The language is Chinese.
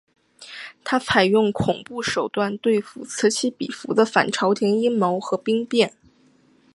他采用恐怖手段对付此起彼伏的反朝廷阴谋和兵变。